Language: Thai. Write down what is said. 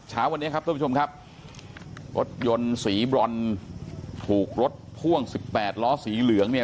เช้าวันนี้ครับทุกผู้ชมครับรถยนต์สีบรอนถูกรถพ่วง๑๘ล้อสีเหลืองเนี่ย